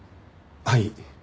はい。